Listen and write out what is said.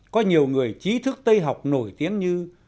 có nhiều người trí thức tây học nổi tiếng như